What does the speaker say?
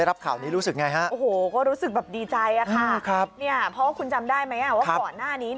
เพราะว่าคุณจำได้ไหมว่าก่อนหน้านี้